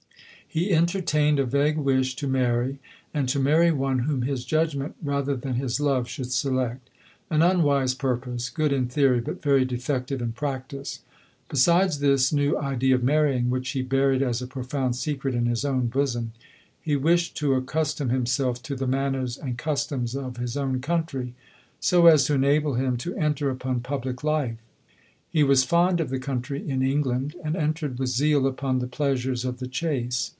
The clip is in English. He entertained a vague wish to marry, and to marry one whom his judgment, rather than his love, should select ;— an unwise purpose, good in theory, but very detective in practice. Besides this new idea of marrying, which he buried as a profound secret in his own bosom, he wished to accustom himself to the manners and customs of his own country, as to enable him to enter upon public life. He was fond of the country in England, and entered with zeal upon the pleasures of the chace.